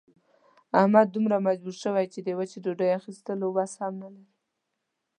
احمد دومره مجبور شوی چې د وچې ډوډۍ اخستلو وس هم نه لري.